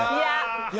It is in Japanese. いや。